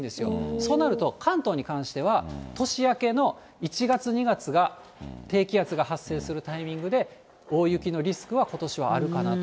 そうなると関東に関しては、年明けの１月、２月が、低気圧が発生するタイミングで、大雪のリスクはことしはあるかなと。